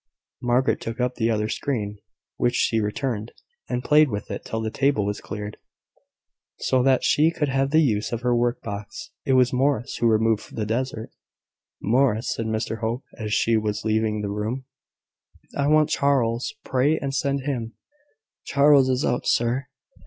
Margaret took up the other screen when she returned, and played with it till the table was cleared, so that she could have the use of her work box. It was Morris who removed the dessert. "Morris," said Mr Hope, as she was leaving the room, "I want Charles: pray send him." "Charles is out, sir."